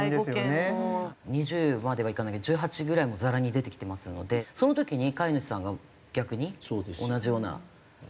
２０まではいかないけど１８ぐらいもざらに出てきてますのでその時に飼い主さんが逆に同じような。